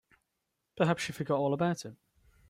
Perhaps she forgot all about it.